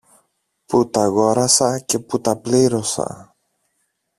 που τ' αγόρασα και που τα πλήρωσα.